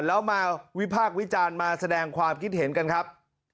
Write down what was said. แล้วมาวิพากษ์วิจารณ์มาแสดงความคิดเห็นกันครับ